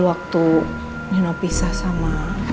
waktu nino pisah sama